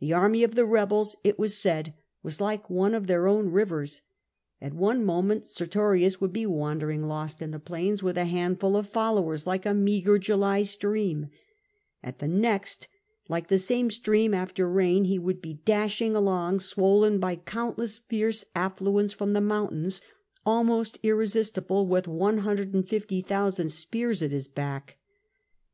The army of the rebels, it was said, was like one of their own rivers. At one moment Sertorius would be wandering lost in the plains with a handful of followers, like a meagre July stream ; at the next, like the same stream after rain, he would be dashing along swollen by countless fierce affluents from the mountains, almost irresistible, with 150,000 spears at his back.